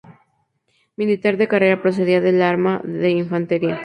Militar de carrera, procedía del arma de infantería.